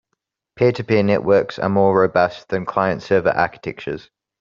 Peer-to-peer networks are more robust than client-server architectures.